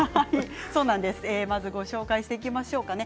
まずご紹介していきましょうかね。